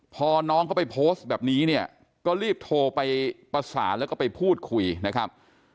พอน้องเขาไปโพสต์แบบนี้เนี่ยก็รีบโทรไปประสานแล้วก็ไปพูดคุยนะครับ